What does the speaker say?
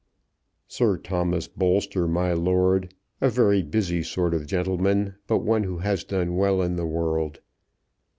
"Sir Thomas Bolster, my lord; a very busy sort of gentleman, but one who has done well in the world.